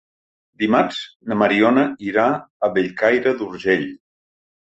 Dimarts na Mariona irà a Bellcaire d'Urgell.